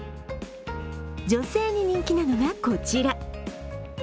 女性に人気なのが、こちら。